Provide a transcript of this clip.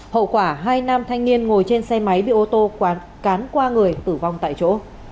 hậu quả hai nam thanh niên ngồi trên xe máy bị ô tô cán qua người tử vong tại chỗ